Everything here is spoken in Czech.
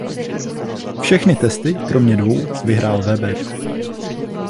Všechny testy kromě dvou vyhrál Weber.